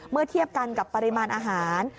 เทียบกันกับปริมาณอาหาร